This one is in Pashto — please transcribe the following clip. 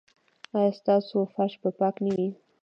ایا ستاسو فرش به پاک نه وي؟